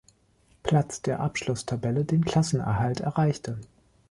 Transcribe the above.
Platz der Abschlusstabelle den Klassenerhalt erreichte.